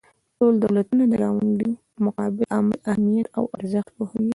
ټول دولتونه د ګاونډیو متقابل عمل اهمیت او ارزښت پوهیږي